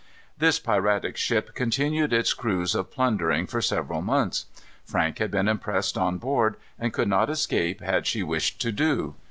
This piratic ship continued its cruise of plundering for several months. Frank had been impressed on board, and could not escape had she wished to do.